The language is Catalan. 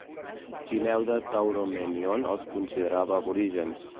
Timeu de Tauromenion els considerava aborigens.